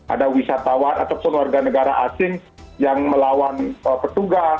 ada wisatawan ataupun warga negara asing yang melawan petugas